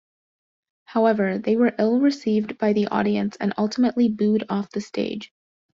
However, they were ill received by the audience and ultimately booed off the stage.